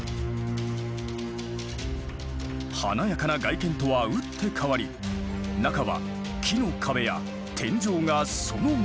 華やかな外見とは打って変わり中は木の壁や天井がそのままに。